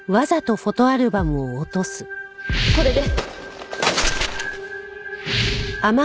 これで。